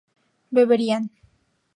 beberían